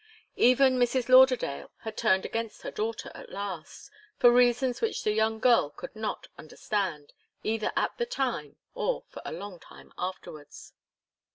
Even Mrs. Lauderdale had turned against her daughter at last, for reasons which the young girl could not understand, either at the time or for a long time afterwards.